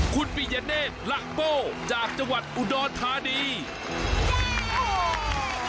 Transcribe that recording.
คุณปิญญาเนทลักโบจากจังหวัดอุดรภาษณีย์